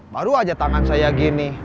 baru aja tangan saya gini